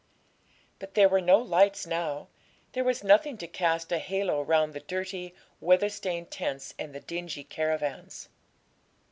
But there were no lights now; there was nothing to cast a halo round the dirty, weather stained tents and the dingy caravans.